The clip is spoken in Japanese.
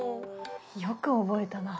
よく覚えたな。